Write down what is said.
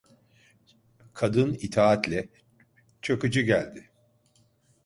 Kadın itaatle: - Çakıcı geldi!